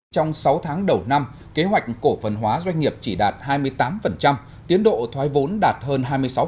trong sáu tháng đầu năm kế hoạch cổ phần hóa doanh nghiệp chỉ đạt hai mươi tám tiến độ thoái vốn đạt hơn hai mươi sáu